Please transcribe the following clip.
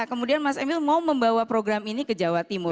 kemudian mas emil mau membawa program ini ke jawa timur